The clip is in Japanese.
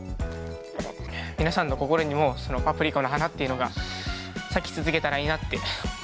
皆さんの心にも「パプリカ」の花っていうのが咲き続けたらいいな。